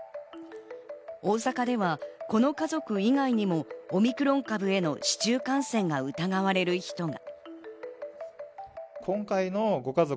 大阪ではこの家族以外にもオミクロン株への市中感染が疑われる人が。